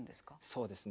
そうですね。